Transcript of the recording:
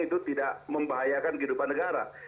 itu tidak membahayakan kehidupan negara